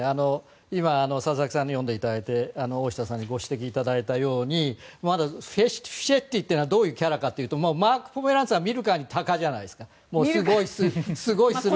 今、佐々木さんに読んでいていただいて大下さんにご指摘していただいたようにまだフィシェッティというのはどういうキャラかというとマーク・ポメランツは見るからにタカじゃないですか。